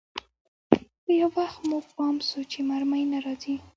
خو يو وخت مو پام سو چې مرمۍ نه راځي.